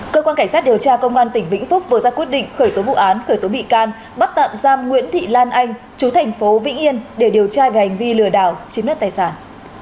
cơ quan cảnh sát điều tra công an tỉnh vĩnh phúc vừa ra quyết định khởi tố vụ án khởi tố bị can bắt tạm giam nguyễn thị lan anh chú thành phố vĩnh yên để điều tra về hành vi lừa đảo chiếm đất tài sản